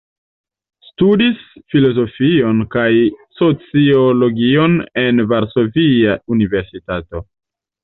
Studis filozofion kaj sociologion en Varsovia Universitato.